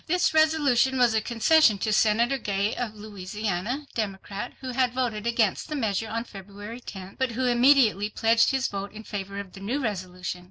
This resolution was a concession to Senator Gay of Louisiana, Democrat, who had voted against the measure on February 10th, but who immediately pledged his vote in favor of the new resolution.